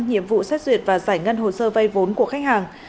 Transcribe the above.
nhiệm vụ xét duyệt và giải ngân hồ sơ vay vốn của khách hàng